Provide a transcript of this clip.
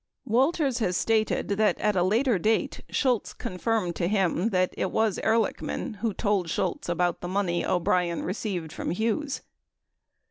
15 Walters has stated that at a later date Shultz confirmed to him that it was Ehrlichman who told Shultz about the money O'Brien received from Hughes.